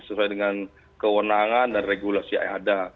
sesuai dengan kewenangan dan regulasi yang ada